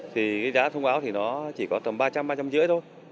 thì cái giá thông báo thì nó chỉ có tầm ba trăm linh ba trăm năm mươi thôi